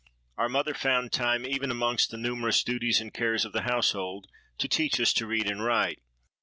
Our mother found time, even amongst the numerous duties and cares of the household, to teach us to read and write.